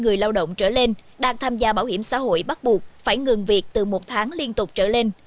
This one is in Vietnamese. người lao động trở lên đang tham gia bảo hiểm xã hội bắt buộc phải ngừng việc từ một tháng liên tục trở lên